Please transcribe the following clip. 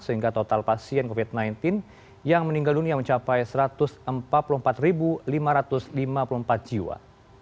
sehingga total pasien covid sembilan belas yang meninggal dunia mencapai satu ratus empat puluh empat lima ratus lima puluh empat jiwa